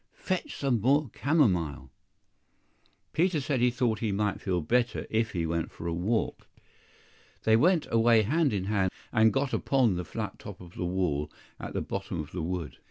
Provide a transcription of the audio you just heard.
fetch some more camomile!" Peter said he thought he might feel better if he went for a walk. THEY went away hand in hand, and got upon the flat top of the wall at the bottom of the wood.